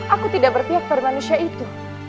aku tidak berpihak pada manusia itu